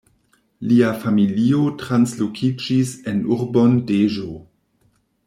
Lia familio translokiĝis en urbon Deĵo.